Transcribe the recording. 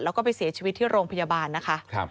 แล้วก็ไปเสียชีวิตที่โรงพยาบาลนะคะ